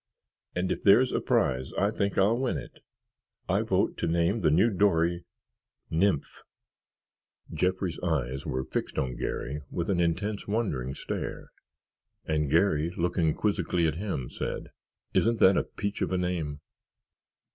And if there's a prize, I think I'll win it. I vote to name the new dory—Nymph." Jeffrey's eyes were fixed on Garry with an intense wondering stare and Garry, looking quizzically at him, said, "Isn't that a peach of a name?"